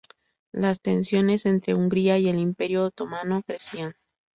Las tensiones entre Hungría y el Imperio otomano crecían.